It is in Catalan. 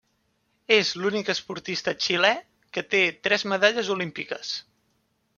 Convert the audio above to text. És l'únic esportista xilè que té tres medalles olímpiques.